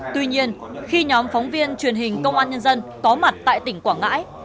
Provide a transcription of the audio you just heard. tuy nhiên khi nhóm phóng viên truyền hình công an nhân dân có mặt tại tỉnh quảng ngãi